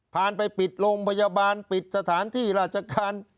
ไปปิดโรงพยาบาลปิดสถานที่ราชการ